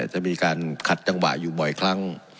จะมีการขัดจังหวะอยู่บ่อยครั้ง